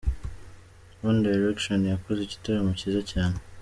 One Direction yakoze igitaramo cyiza cyane.